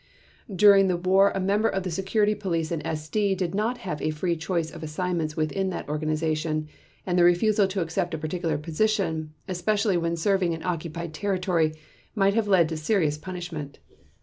During the war a member of the Security Police and SD did not have a free choice of assignments within that organization and the refusal to accept a particular position, especially when serving in occupied territory, might have led to serious punishment.